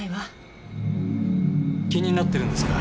気になってるんですか？